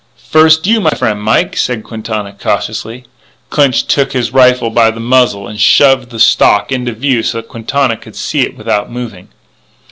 "First you, my frien' Mike," said Quintana cautiously. Clinch took his rifle by the muzzle and shoved the stock into view so that Quintana could see it without moving.